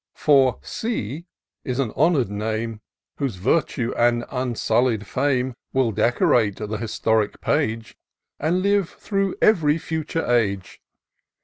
For Cisan honoured name, Whose virtue and unsullied fame Will decorate th' historic page, And live through ev'ry future age.